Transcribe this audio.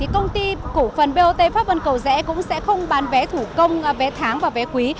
công ty cổ phần bot pháp vân cầu rẽ cũng sẽ không bán vé thủ công vé tháng và vé quý